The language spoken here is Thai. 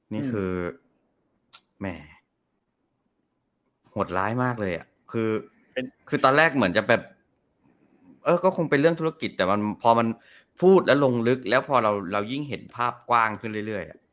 นี่คือแหม่หดร้ายมากเลยอ่ะคือตอนแรกเหมือนจะแบบเออก็คงเป็นเรื่องธุรกิจแต่มันพอมันพูดแล้วลงลึกแล้วพอเรายิ่งเห็นภาพกว้างขึ้นเรื่อย